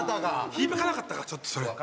響かなかったかちょっとそれ。